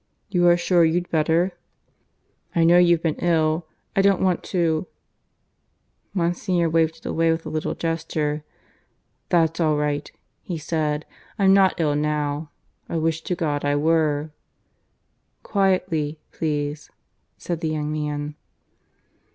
"You are sure you'd better? I know you've been ill. I don't want to " Monsignor waved it away with a little gesture. "That's all right," he said. "I'm not ill now. I wish to God I were!" "Quietly, please," said the young man.